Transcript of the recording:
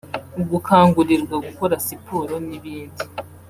gukangurirwa gukora siporo n’ibindi